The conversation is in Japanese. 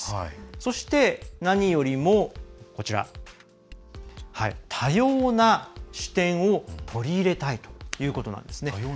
そして、何よりも多様な視点を取り入れたいということなんですね。